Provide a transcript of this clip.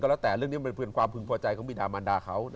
แล้วแต่เรื่องนี้มันเป็นความพึงพอใจของบิดามันดาเขา